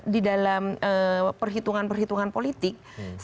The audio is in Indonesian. di dalam perhitungan perhitungan politik